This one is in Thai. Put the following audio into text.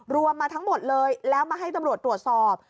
รวมมาทั้งหมดเลยแล้วมาให้ตำรวจตรวจสอบ